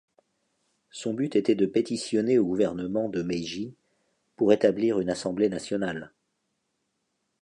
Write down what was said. Son but était de pétitionner au gouvernement de Meiji pour établir une assemblée nationale.